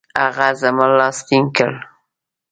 هغه زما لاس ټینګ کړ.